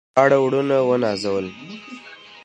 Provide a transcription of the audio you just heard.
دواړه وروڼه ونازول.